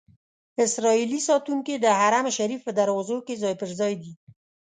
اسرائیلي ساتونکي د حرم شریف په دروازو کې ځای پر ځای دي.